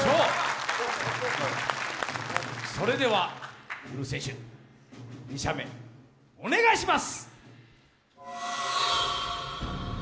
それではウルフ選手、２射目お願いします。